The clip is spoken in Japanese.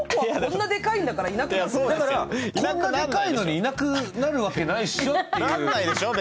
こんなでかいのにいなくなるわけないでしょって。